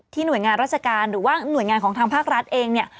หน่วยงานราชการหรือว่าหน่วยงานของทางภาครัฐเองเนี่ย